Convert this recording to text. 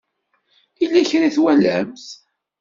Yella kra i twalamt?